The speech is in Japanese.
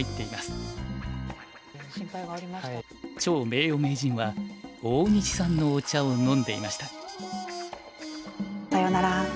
趙名誉名人は大西さんのお茶を飲んでいました。